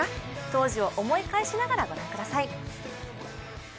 当時を思い返しながら御覧ください。